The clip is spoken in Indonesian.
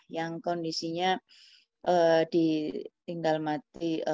yang kondisinya ditinggal mati